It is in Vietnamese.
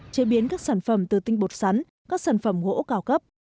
chế biến các sản phẩm từ tinh bột sắn các sản phẩm gỗ cao cấp